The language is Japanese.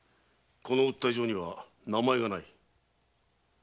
この訴え状には名前がない。